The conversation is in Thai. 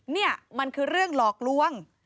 นี่มันคือเรื่องหลอกลวง